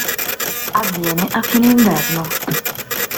Avviene a fine inverno.